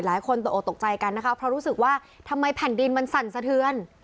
หลายคนตกออกตกใจกันนะคะเพราะรู้สึกว่าทำไมแผ่นดินมันสั่นสะเทือน